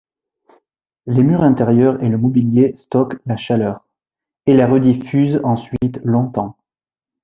Les murs intérieurs et le mobilier stockent la chaleur, et la rediffusent ensuite longtemps.